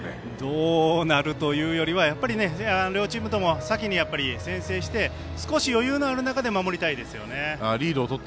どうなるというよりはやっぱり、両チームとも先に先制して、少し余裕のある中で守りたいですよね。